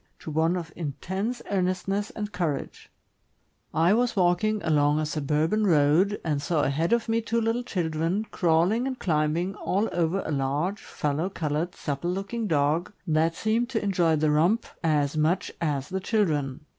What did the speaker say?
to one of intense earnestness and courage I was walking along a suburban road, and saw ahead of me two little children crawling and climbing all over a large, fallow colored, supple looking dog, that seemed to enjoy the romp as much as the children.